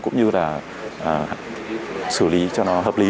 cũng như là xử lý cho nó hợp lý